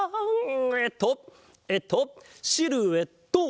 えっとえっとシルエット！